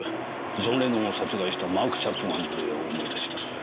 ジョン・レノンを殺害したマーク・チャップマンの例を思い出します。